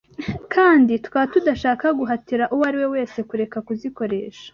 kandi tukaba tudashaka guhatira uwo ariwe wese kureka kuzikoresha